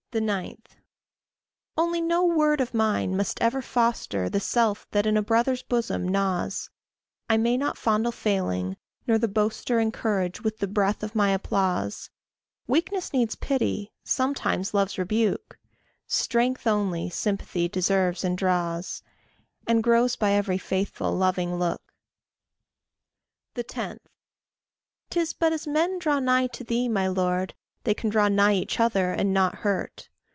9. Only no word of mine must ever foster The self that in a brother's bosom gnaws; I may not fondle failing, nor the boaster Encourage with the breath of my applause. Weakness needs pity, sometimes love's rebuke; Strength only sympathy deserves and draws And grows by every faithful loving look. 10. 'Tis but as men draw nigh to thee, my Lord, They can draw nigh each other and not hurt.